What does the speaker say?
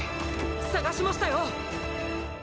捜しましたよ！